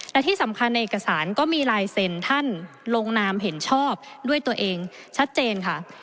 และที่สำคัญในเอกสารก็มีลายเซ็นท่านลงนามเห็นชอบด้วยตัวเองชัดเจนค่ะ